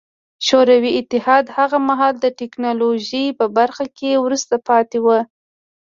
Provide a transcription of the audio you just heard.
شوروي اتحاد هغه مهال د ټکنالوژۍ په برخه کې وروسته پاتې و